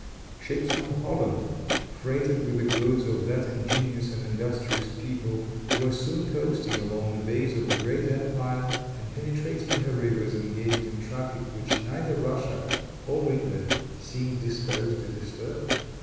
Ships from Holland, freighted with the goods of that ingenious and industrious people, were soon coasting along the bays of the great empire, and penetrating her rivers, engaged in traffic which neither Russia or England seemed disposed to disturb.